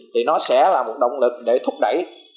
thì nó sẽ là một động lực để thúc đẩy